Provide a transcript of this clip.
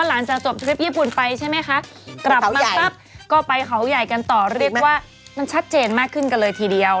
กลับมาปั๊บก็ไปเขาใหญ่กันต่อเรียกว่ามันชัดเจนมากขึ้นกันเลยทีเดียว